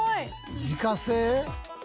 「自家製？」